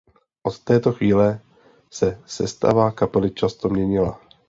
Od této chvíle se sestava kapely často měnila.